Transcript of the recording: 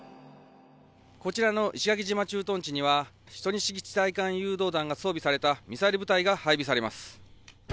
こちらの石垣島駐屯地には、１２式地対艦誘導弾が装備されたミサイル部隊が配備されます。